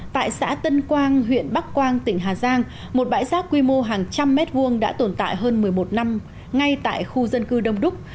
tại xã tân quang huyện bắc quang tỉnh hà giang một bãi rác quy mô hàng trăm mét vuông đã tồn tại hơn một mươi một năm ngay tại khu dân cư đông đúc